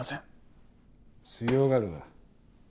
強がるな。